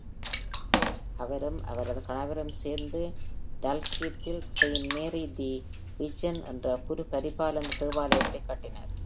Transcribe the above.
அவரும் அவரது கணவரும் சேர்ந்து டல்கீத்தில் செயிண்ட் மேரி தி விர்ஜின் என்ற குருபரிபாலன தேவாலயத்தை கட்டினர்.